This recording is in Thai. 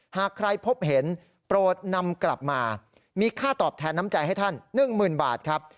หากใครพบเห็นโปรดนำกลับมามีค่าตอบแทนน้ำใจให้ท่าน๑๐๐๐บาทครับ